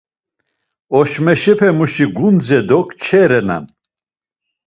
Oşmeşepemuşi gundze do kçe renan.